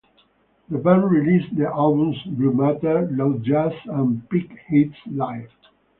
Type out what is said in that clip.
The band released the albums "Blue Matter", "Loud Jazz" and "Pick Hits Live".